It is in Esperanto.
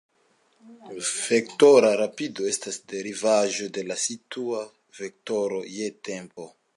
Vektora rapido estas derivaĵo de la situa vektoro je tempo.